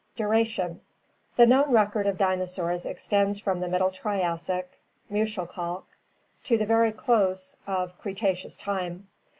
Duration. — The known record of dinosaurs extends from the Middle Triassic (Muschelkalk) to the very close of Cretaceous time.